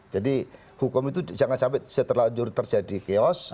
jadi hukum itu jangan sampai setelah terjadi chaos